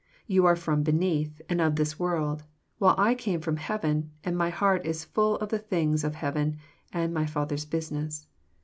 You are from beneath, and of this world ; while I came from heaven, and My heart is full of the things of heaven and My Father's business.